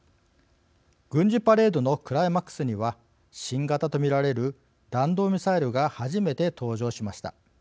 軍事パレードのクライマックスには新型と見られる弾道ミサイルが初めて登場しました。